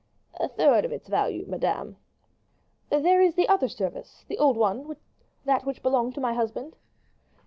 "A third of its value, madame." "There is the other service, the old one, that which belonged to my husband?"